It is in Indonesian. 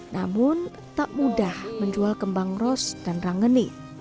namun tak mudah menjual kembang ros dan rangeni